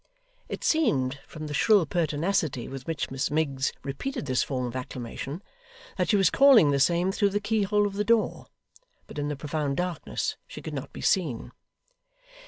It seemed from the shrill pertinacity with which Miss Miggs repeated this form of acclamation, that she was calling the same through the keyhole of the door; but in the profound darkness she could not be seen.